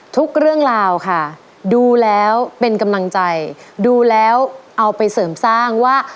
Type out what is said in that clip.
ทุกเรื่องราวค่ะดูแล้วเป็นกำลังใจดูแล้วเอาไปเสริมสร้างว่า